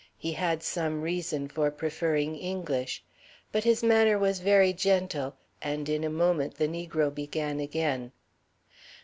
He had some reason for preferring English. But his manner was very gentle, and in a moment the negro began again.